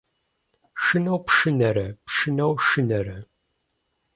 Шынэу пшынарэ, пшынэу шынарэ.